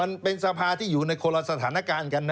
มันเป็นสภาที่อยู่ในคนละสถานการณ์กันนะ